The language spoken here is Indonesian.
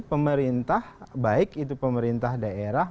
pemerintah baik itu pemerintah daerah